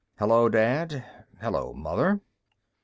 Hello, Dad, hello, Mother.